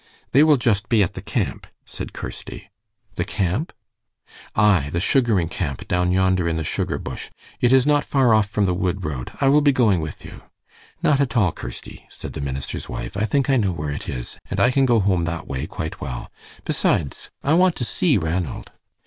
"They will just be at the camp," said Kirsty. "The camp?" "Aye, the sugaring camp down yonder in the sugar bush. It is not far off from the wood road. I will be going with you." "Not at all, Kirsty," said the minister's wife. "I think I know where it is, and I can go home that way quite well. Besides, I want to see Ranald."